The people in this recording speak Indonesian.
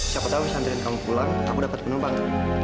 siapa tau bisa anterin kamu pulang aku dapat penumpang dulu